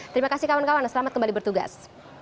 terima kasih kawan kawan selamat kembali bertugas